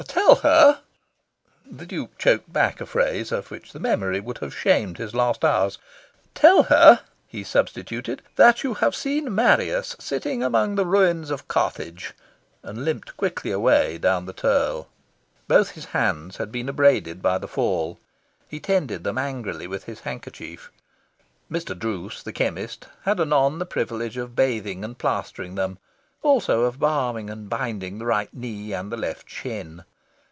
"Tell her " the Duke choked back a phrase of which the memory would have shamed his last hours. "Tell her," he substituted, "that you have seen Marius sitting among the ruins of Carthage," and limped quickly away down the Turl. Both his hands had been abraded by the fall. He tended them angrily with his handkerchief. Mr. Druce, the chemist, had anon the privilege of bathing and plastering them, also of balming and binding the right knee and the left shin.